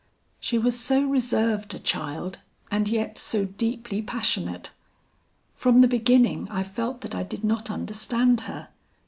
"She was so reserved a child and yet so deeply passionate. From the beginning I felt that I did not understand her.